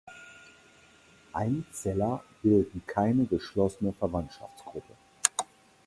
Einzeller bilden keine geschlossene Verwandtschaftsgruppe.